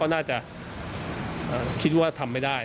น่าจะคิดว่าทำไม่ได้